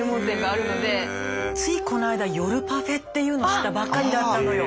ついこないだ夜パフェっていうのを知ったばっかりだったのよ。